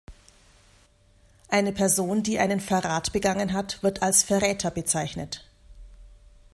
Eine Person, die einen Verrat begangen hat, wird als "Verräter" bezeichnet.